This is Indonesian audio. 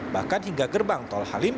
bahkan hingga gerbang tol halim